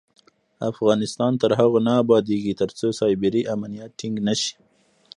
افغانستان تر هغو نه ابادیږي، ترڅو سایبري امنیت ټینګ نشي.